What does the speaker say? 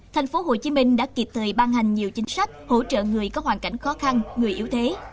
tp hcm đã kịp thời ban hành nhiều chính sách hỗ trợ người có hoàn cảnh khó khăn người yếu thế